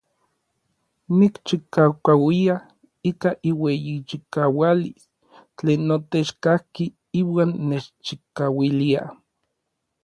Nikchikaukauia ika iueyichikaualis tlen notech kajki iuan nechchikauilia.